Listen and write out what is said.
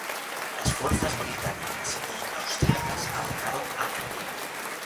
Las fuerzas británicas y austriacas atacaron Acre.